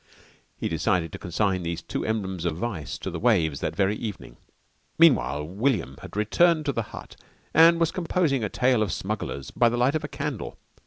He decided to consign these two emblems of vice to the waves that very evening. Meanwhile William had returned to the hut and was composing a tale of smugglers by the light of a candle.